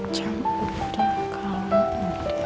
cukup udah kalau mudah